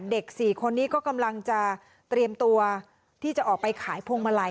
๔คนนี้ก็กำลังจะเตรียมตัวที่จะออกไปขายพวงมาลัย